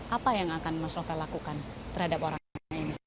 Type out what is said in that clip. apa yang akan mas novel lakukan terhadap orang ini